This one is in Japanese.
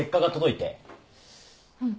うん。